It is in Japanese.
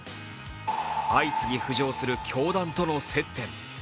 相次ぎ浮上する教団との接点。